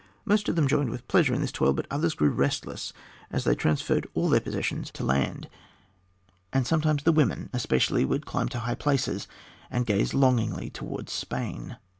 Most of them joined with pleasure in this toil, but others grew restless as they transferred all their possessions to land, and sometimes the women especially would climb to high places and gaze longingly towards Spain.